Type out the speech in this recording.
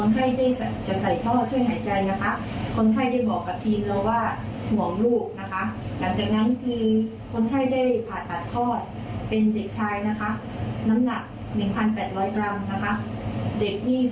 ที่จะให้คนไข้มีกำลังใจที่จะต่อสู้กับโควิด